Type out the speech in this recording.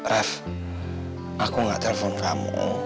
ref aku gak nelfon kamu